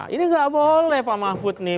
ini nggak boleh pak mahfud nih